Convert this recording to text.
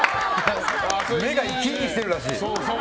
目が生き生きしてるらしい。